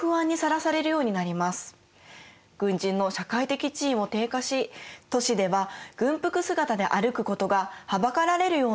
軍人の社会的地位も低下し都市では軍服姿で歩くことがはばかられるような雰囲気が広がったそうです。